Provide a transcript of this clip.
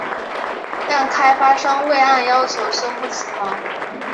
但开发商未按要求修复祠堂。